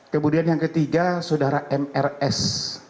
kemudian yang ketiga saudara mrs